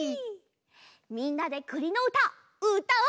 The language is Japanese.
みんなでくりのうたうたおう！